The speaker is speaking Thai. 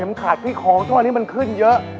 เหมือนขาดพี่ของเท่านี้มันขึ้นเยอะ